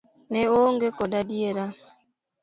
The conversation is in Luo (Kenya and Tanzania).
Ne oonge koda adiera.